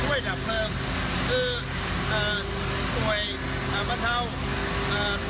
สิบเบี้ยทางนี้ไปท่าน้ำหน้าชวงตรงนั้นไปเผาลักษณ์เอ่อ